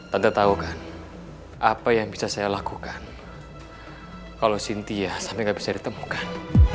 tante tahu kan apa yang bisa saya lakukan kalau cynthia sampai gak bisa ditemukan